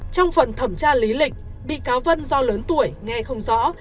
trong phần thẩm tra lý lịch bị cáo vân do lớn tuổi nghe không rõ